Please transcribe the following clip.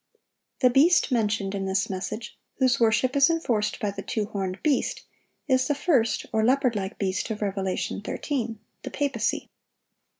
"The beast" mentioned in this message, whose worship is enforced by the two horned beast, is the first, or leopard like beast of Revelation 13,—the papacy.